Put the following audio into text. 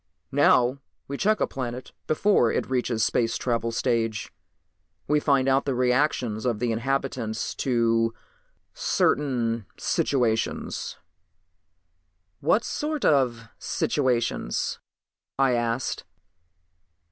Now we check a planet before it reaches the space travel stage. We find out the reactions of the inhabitants to certain situations." "What sort of situations?" I asked.